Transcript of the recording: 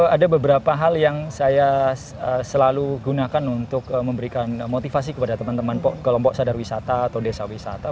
ada beberapa hal yang saya selalu gunakan untuk memberikan motivasi kepada teman teman kelompok sadar wisata atau desa wisata